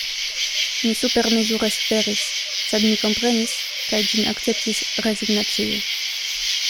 Mi supermezure suferis; sed mi komprenis, kaj ĝin akceptis rezignacie.